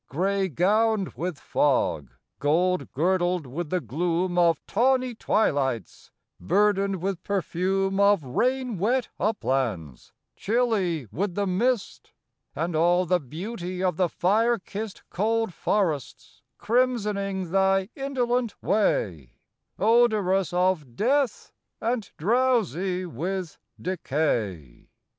Gray gowned with fog, gold girdled with the gloom Of tawny twilights; burdened with perfume Of rain wet uplands, chilly with the mist; And all the beauty of the fire kissed Cold forests crimsoning thy indolent way, Odorous of death and drowsy with decay.